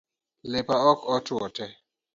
Lepa ok otuo tee